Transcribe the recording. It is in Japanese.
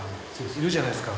いるじゃないですか。